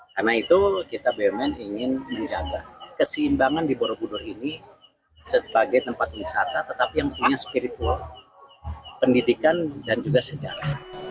karena itu kita bumn ingin menjaga keseimbangan di borobudur ini sebagai tempat wisata tetapi yang punya spiritual pendidikan dan juga sejarah